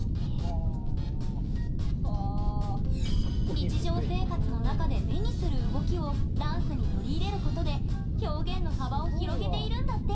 日常生活の中で目にする動きをダンスに取り入れることで表現の幅を広げているんだって！